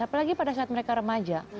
apalagi pada saat mereka remaja